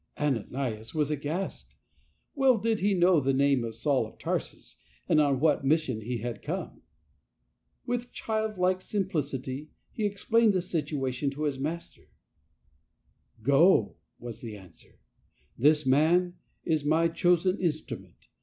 " Ananias was aghast. Well did he know the name of Saul of Tarsus, and on what I mission he had come. With childlike sim plicity he explained the situation to bis L LIFE OF ST. PAUL ii Master. " Go," was the answer; " this man is my chosen instrument.